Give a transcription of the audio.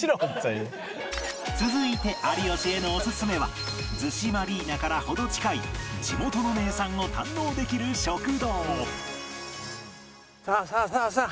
続いて有吉へのオススメは逗子マリーナから程近い地元の名産を堪能できる食堂さあさあさあさあ。